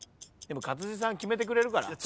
でも勝地さん決めてくれるから。